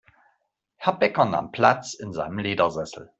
Herr Bäcker nahm Platz in seinem Ledersessel.